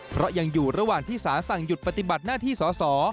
เพราะยังอยู่ระหว่างที่สารสั่งหยุดปฏิบัติหน้าที่สอสอ